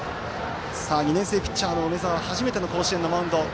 ２年生ピッチャーの梅澤は初めての甲子園のマウンド。